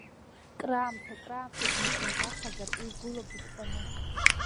Краамҭа-краамҭагьы бимахазар уи гәыла бытҟәаны…